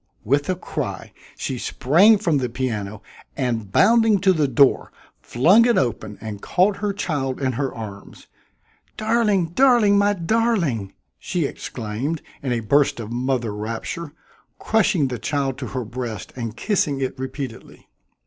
With a cry she sprang from the piano and, bounding to the door, flung it open and caught her child in her arms. "Darling! darling! my darling!" she exclaimed in a burst of mother rapture, crushing the child to her breast and kissing it repeatedly.